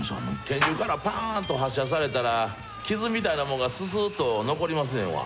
拳銃からパーンと発射されたら傷みたいなもんがススーっと残りますねんわ。